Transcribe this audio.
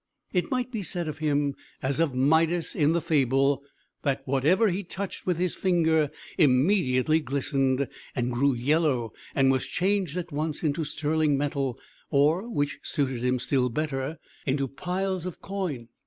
It might be said of him, as of Midas in the fable, that whatever he touched with his finger immediately glistened, and grew yellow, and was changed at once into sterling metal, or, which suited him still better, into piles of coin.